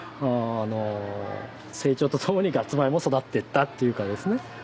あの成長とともにガッツ米も育っていったっていうかですね